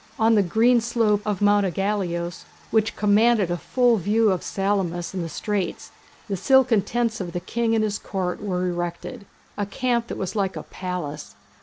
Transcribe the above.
On the green slope of Mount Ægaleos, which commanded a full view of Salamis and the straits, the silken tents of the King and his Court were erected, a camp that was like a palace.